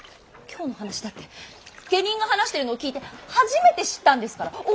今日の話だって下人が話してるのを聞いて初めて知ったんですから。